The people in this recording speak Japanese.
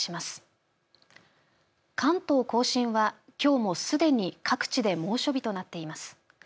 関東甲信は、きょうもすでに各地で猛暑日となっています。